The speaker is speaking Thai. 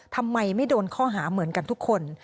ทำไมไม่โดนข้อหาเหมือนกันทุกคน